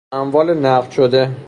اموال نقد شده